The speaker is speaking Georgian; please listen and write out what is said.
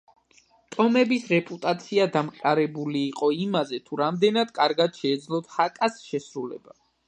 ტომების რეპუტაცია დამყარებული იყო იმაზე, თუ რამდენად კარგად შეეძლოთ ჰაკას შესრულება.